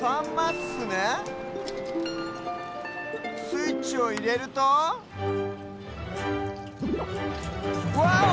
スイッチをいれるとワオ！